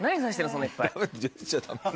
そんないっぱい。